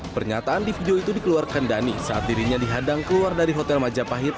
pernyataan di video itu dikeluarkan dhani saat dirinya dihadang keluar dari hotel majapahit